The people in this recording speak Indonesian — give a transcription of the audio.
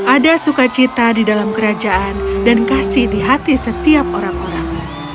ada sukacita di dalam kerajaan dan kasih di hati setiap orang orang